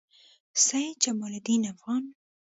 سعید جمالدین افغان